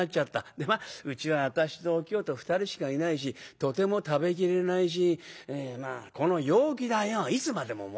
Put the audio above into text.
でまあうちは私とお清と２人しかいないしとても食べきれないしこの陽気だよいつまでももたないし。